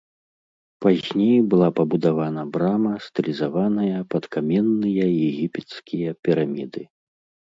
Пазней была пабудавана брама, стылізаваная пад каменныя егіпецкія піраміды.